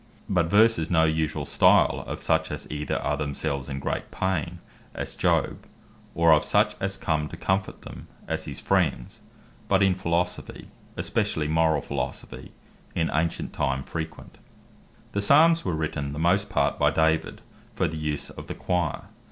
But Verse is no usuall stile of such, as either are themselves in great pain, as Job; or of such as come to comfort them, as his friends; but in Philosophy, especially morall Philosophy, in ancient time frequent. The Psalter The Psalmes were written the most part by David, for the use of the Quire.